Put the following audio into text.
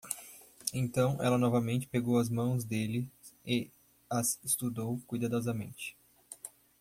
Então ela novamente pegou as mãos dele e as estudou cuidadosamente.